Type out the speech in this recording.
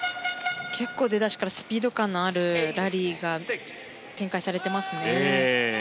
結構出だしからスピード感のあるラリーが展開されてますね。